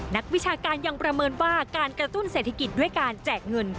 นักวิชาการยังประเมินว่าการกระตุ้นเศรษฐกิจด้วยการแจกเงิน